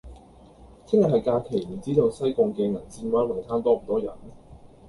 聽日係假期，唔知道西貢嘅銀線灣泳灘多唔多人？